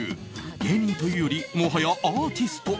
芸人というよりもはやアーティスト。